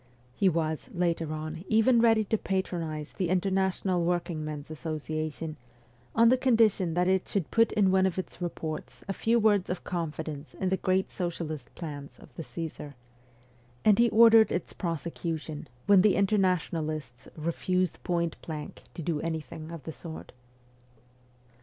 He was, later on, even ready to patronize the International Workingmen's Association, on the condition that it should put in one of its reports a few words of confidence in the great socialist plans of the Csesar; and he ordered its prosecution when the Internationalists refused point blank to do anything of the sort.